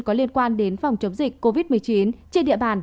có liên quan đến phòng chống dịch covid một mươi chín trên địa bàn